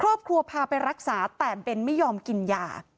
ครอบครัวพาไปรักษาแต่เบนไม่ยอมกินยา